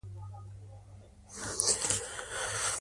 د مکروبونو د تشخیص طرزالعملونه زده کول اړین دي.